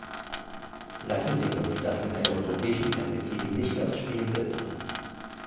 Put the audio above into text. Lassen Sie uns das in einer europäischen Perspektive nicht aufs Spiel setzen.